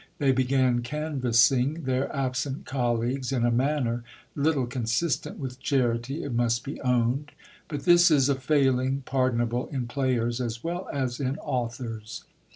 They began canvassing their absent colleagues in a manner little consistent with charity, it must be owned ; but this is a failing pardonable in players as well as in authors.